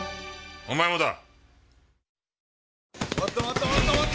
お前もだ。